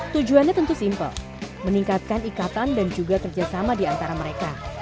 tujuannya tentu simpel meningkatkan ikatan dan juga kerjasama di antara mereka